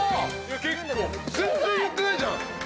全然言ってないじゃん！